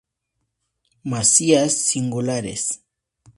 Masías singulares.